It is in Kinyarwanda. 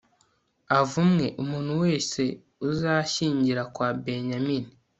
avumwe, umuntu wese uzashyingira kwa benyamini